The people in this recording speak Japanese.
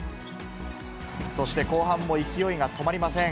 そして後半も勢いが止まりません。